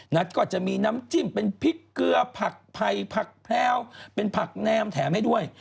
ก็จะมีน้ำจิ้มเป็นพริกเกลือผักไผ่ผักแพรวเป็นผักแนมแถมให้ด้วย